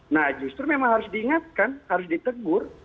nah justru memang harus diingatkan harus ditegur